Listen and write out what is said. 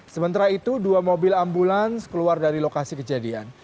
sementara itu dua mobil ambulans keluar dari lokasi kejadian